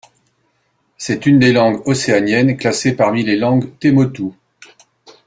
C’est une des langues océaniennes, classée parmi les langues temotu.